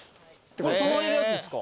これ泊まれるやつですか？